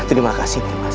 terima kasih nih mas